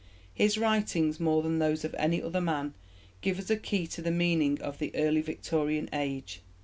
His writings more than those of any other man give us a key to the meaning of the early Victorian Age.